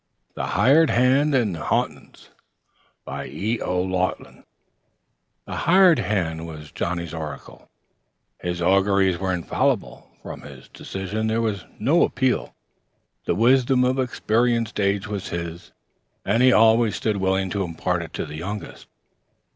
'" THE HIRED HAND AND "HA'NTS" BY E.O. LAUGHLIN The Hired Hand was Johnnie's oracle. His auguries were infallible; from his decisions there was no appeal. The wisdom of experienced age was his, and he always stood willing to impart it to the youngest.